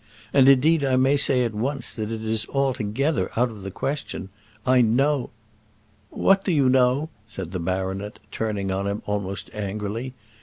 And, indeed, I may say at once, that it is altogether out of the question. I know " "What do you know?" said the baronet, turning on him almost angrily.